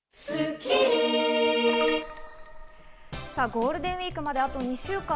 ゴールデンウイークまであと２週間。